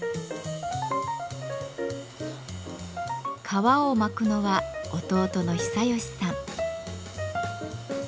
革を巻くのは弟の久与志さん。